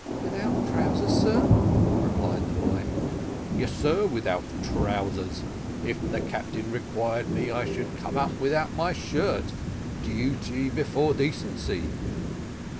"Without trousers, sir!" replied the boy. "Yes, sir, without trousers; if the captain required me, I should come without my shirt. Duty before decency."